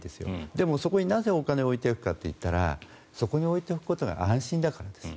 でも、そこになぜお金を置いておくかと言ったらそこに置いておくことが安心だからです。